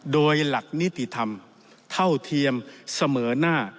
โดยหลักนิติธรรมเท่าเทียมเสมอหน้า